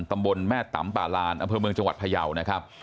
ตำบลแม่ตำป่าลานอำเภอเมืองจังหวัดพยาวนะครับ